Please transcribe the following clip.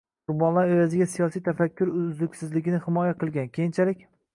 qurbonlar evaziga siyosiy tafakkur uzluksizligini himoya qilgan, keyinchalik